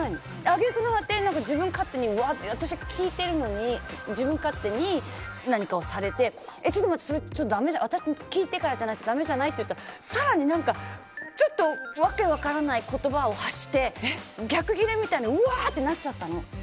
揚げ句の果てに私が聞いているのに自分勝手に、何かをされてちょっと待って、私聞いてからじゃないとだめじゃない？って言ったらちょっと訳分からない言葉を発して逆ギレみたいにうわーってなっちゃったの。